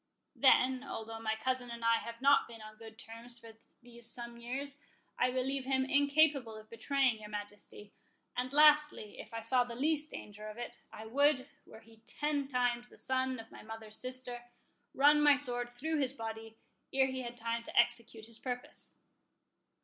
Then, although my cousin and I have not been on good terms for these some years, I believe him incapable of betraying your Majesty; and lastly, if I saw the least danger of it, I would, were he ten times the son of my mother's sister, run my sword through his body, ere he had time to execute his purpose."